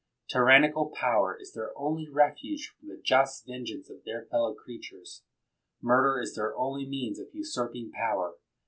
Tyrannical 96 MACKINTOSH power is their only refuge from the just venge ance of their fellow creatures. Murder is their only means of usurping power.